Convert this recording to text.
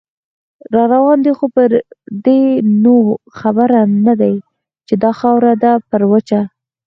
راروان دی خو پردې نو خبر نه دی، چې دا خاوره ده پر وچه